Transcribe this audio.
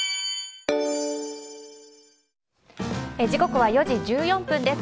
時刻は４時１４分です。